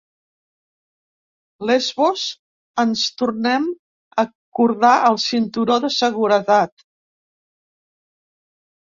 Lesbos, ens tornem a cordar el cinturó de seguretat.